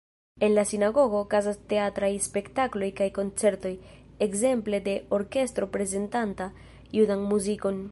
En la sinagogo okazas teatraj spektakloj kaj koncertoj, ekzemple de orkestro prezentanta judan muzikon.